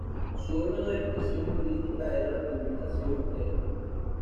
Su órgano de expresión política era la publicación "Erre".